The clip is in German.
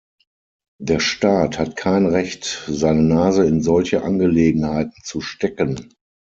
Der Staat hat kein Recht, seine Nase in solche Angelegenheiten zu stecken.